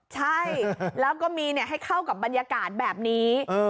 ใช่แล้วก็มีให้เข้ากับบรรยากาศแบบนี้